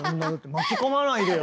巻き込まないでよ